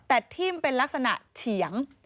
แต่ทิ่มเป็นลักษณะเฉียง